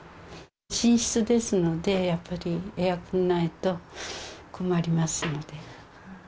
寝室ですので、やっぱりエアコンないと困りますので。